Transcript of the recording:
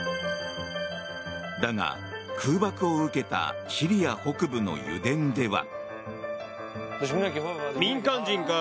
だが、空爆を受けたシリア北部の油田では。